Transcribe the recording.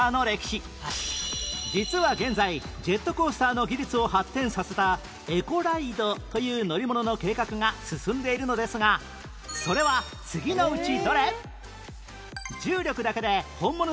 実は現在ジェットコースターの技術を発展させたエコライドという乗り物の計画が進んでいるのですがそれは次のうちどれ？